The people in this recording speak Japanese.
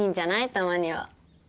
たまには。